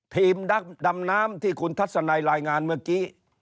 ทีมนักดำน้ำที่คุณทัศนัยรายงานเมื่อกี้